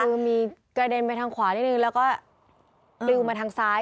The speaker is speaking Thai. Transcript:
คือมีกระเด็นไปทางขวานิดนึงแล้วก็ปลิวมาทางซ้าย